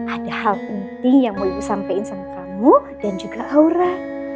ada hal penting yang mau ibu sampein sama kamu dan juga aura